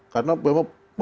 karena memang peminum kopi